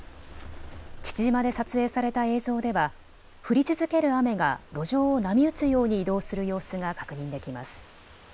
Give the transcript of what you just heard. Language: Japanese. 父島で撮影された映像では降り続ける雨が路上を波打つように移動する様子が確認できます。